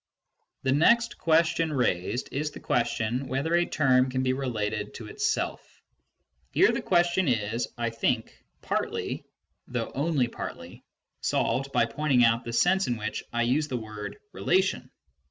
The next question raised is the question whether a term can be related to itself. Here the question is, I think, partly ŌĆö though only partly ŌĆö solved by pointing out the sense in which I use the word " re lation